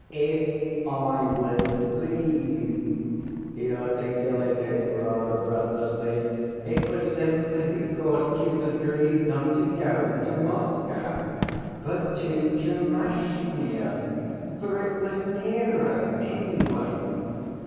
"If I was pleased," he articulated rather breathlessly, "it was simply because you agreed not to go to Moscow, but to Tchermashnya. For it was nearer, anyway.